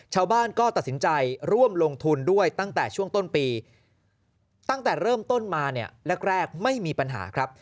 ชาวบ้านก็ตัดสินใจร่วมลงทุนด้วยตั้งแต่ช่วงต้นปีตั้งแต่เริ่มต้นมาเนี่ยแรกไม่มีปัญหาครับ